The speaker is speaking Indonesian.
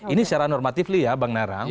ini secara normatif ya bang narang